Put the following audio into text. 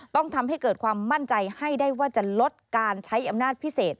ต้องทำให้เกิดความมั่นใจให้ได้ว่าจะลดการใช้อำนาจพิเศษ